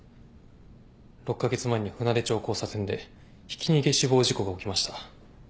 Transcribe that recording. ６カ月前に舟出町交差点でひき逃げ死亡事故が起きました。